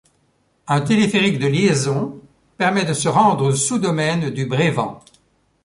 Un téléphérique de liaison permet de se rendre au sous-domaine du Brévent.